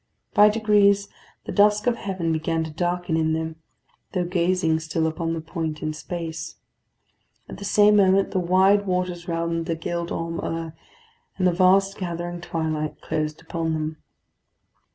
By degrees the dusk of heaven began to darken in them, though gazing still upon the point in space. At the same moment the wide waters round the Gild Holm 'Ur and the vast gathering twilight closed upon them.